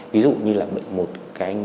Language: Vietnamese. ví dụ như là bệnh một cái anh